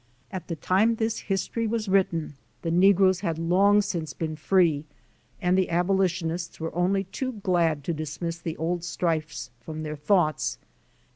At the time this history was written the negroes had long since been free and the abolitionists were only too glad to dismiss the old strifes from their thoughts.